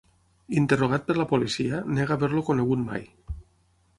Interrogat per la policia, nega haver-lo conegut mai.